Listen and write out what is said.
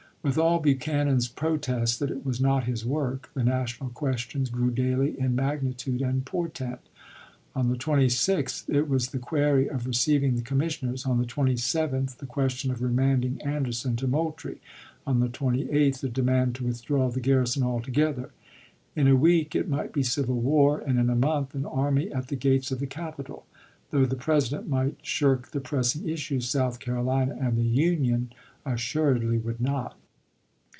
With all Buchanan's protests that it was not his work, the national questions grew daily in magnitude and portent. On the 26th it was the query of receiving the commissioners ; on the 27th, the question of re Dec, i860, manding Anderson to Moultrie; on the 28th, the demand to withdraw the garrison altogether. In a week it might be civil war ; and in a month an army at the gates of the capital. Though the President might shirk the pressing issues, South Carolina and the Union assuredly would not.